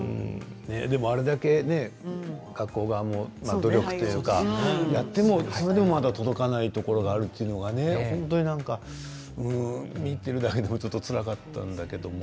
あれだけ学校側も努力というかやってもそれでもまだ届かないところがあるというのがね見ているだけでもちょっとつらかったんだけど。